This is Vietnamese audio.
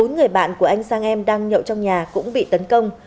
bốn người bạn của anh sang em đang nhậu trong nhà cũng bị tấn công